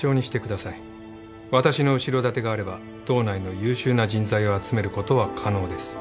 私の後ろ盾があれば道内の優秀な人材を集めることは可能です